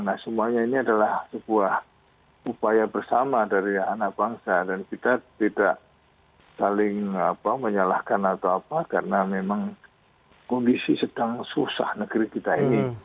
nah semuanya ini adalah sebuah upaya bersama dari anak bangsa dan kita tidak saling menyalahkan atau apa karena memang kondisi sedang susah negeri kita ini